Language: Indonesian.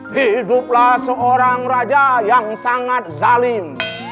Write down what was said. hiduplah seorang raja yang sangat zalim